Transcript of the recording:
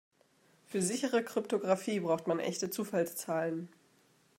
Für sichere Kryptographie braucht man echte Zufallszahlen.